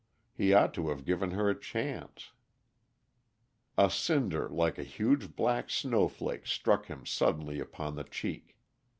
He ought to have given her a chance A cinder like a huge black snowflake struck him suddenly upon the cheek.